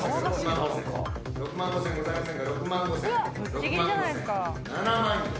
８万５，０００ございませんか？